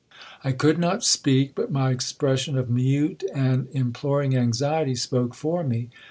'I could not speak, but my expression of mute and imploring anxiety spoke for me.